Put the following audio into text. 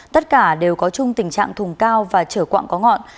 tất cả đều có chung tình trạng thùng cao và chở quặng có ngọn